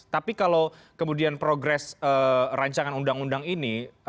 tapi kalau kemudian progres rancangan undang undang ini